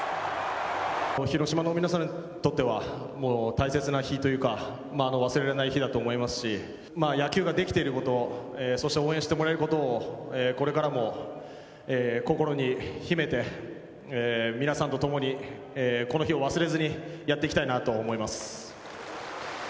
広島の皆さんにとっては、大切な日というか、忘れられない日だと思いますし、野球ができてること、そして応援してもらえることを、これからも心に秘めて、皆さんと共にこの日を忘れずにやっていきたいなと思います。